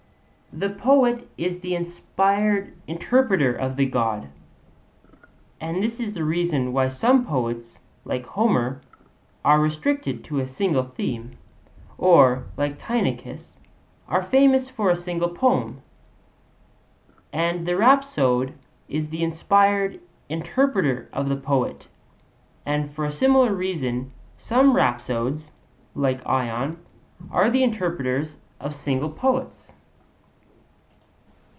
The poet is the inspired interpreter of the God, and this is the reason why some poets, like Homer, are restricted to a single theme, or, like Tynnichus, are famous for a single poem; and the rhapsode is the inspired interpreter of the poet, and for a similar reason some rhapsodes, like Ion, are the interpreters of single poets.